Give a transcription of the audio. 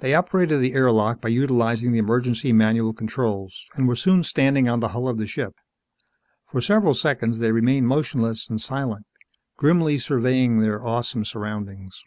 They operated the air lock by utilizing the emergency manual controls, and were soon standing on the hull of the ship. For several seconds they remained motionless and silent, grimly surveying their awesome surroundings.